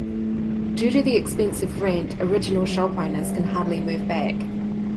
Due to the expensive rent, original shop owners can hardly move back.